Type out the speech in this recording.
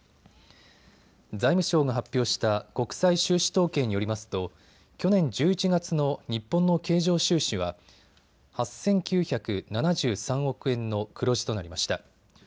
財務省が発表した国際収支統計によりますと去年１１月の日本の経常収支は８９７３億円の黒字となりました。